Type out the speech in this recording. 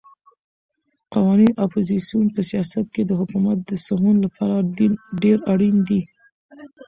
قوي اپوزیسیون په سیاست کې د حکومت د سمون لپاره ډېر اړین دی.